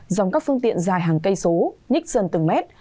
dòng các phương tiện dài hàng cây số nhích dần từng mét